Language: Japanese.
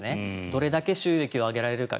どれだけ収益を上げられるか。